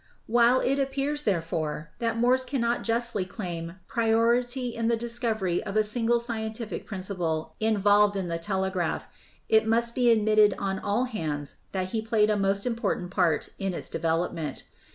While it appears, therefore, that Morse cannot justly claim priority in the discovery of a single scientific prin ciple involved in the telegraph, it must be admitted on all hands that he played a most important part in its develop ment.